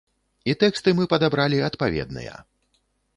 І тэксты мы падабралі адпаведныя.